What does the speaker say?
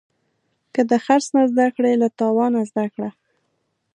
که د خرڅ نه زده کړې، له تاوانه زده کړه.